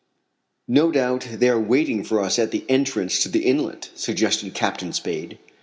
"No doubt they are waiting for us at the entrance to the inlet," suggested Captain Spade.